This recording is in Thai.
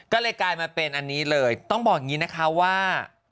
ก็เลยกลายมาเป็นอันนี้เลยต้องบอกอย่างนี้นะคะว่า